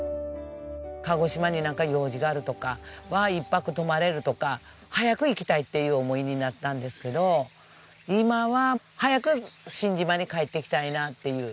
鹿児島になんか用事があるとかは１泊泊まれるとか早く行きたいっていう思いになったんですけど今は早く新島に帰ってきたいなっていう。